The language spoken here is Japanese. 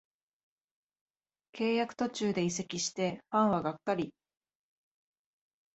契約途中で移籍してファンはがっかり